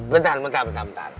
bentar bentar bentar